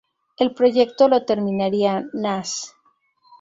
El proyecto lo terminaría Nash.